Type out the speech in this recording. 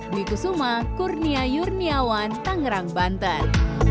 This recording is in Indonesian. dikusuma kurnia yurniawan tangerang banten